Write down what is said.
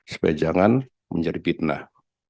supaya jangan menjadi fitnah